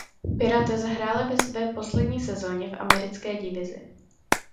Pirates hrály ve své poslední sezóně v Americké divizi.